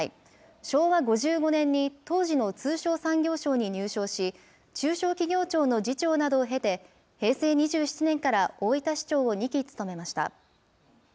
昭和５５年に当時の通商産業省に入省し、中小企業庁の次長などを経て、平成２７年から大分市長を２期務めました。